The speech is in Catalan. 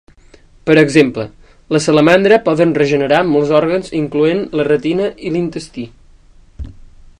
Per exemple, la salamandra poden regenerar molts òrgans incloent la retina i l'intestí.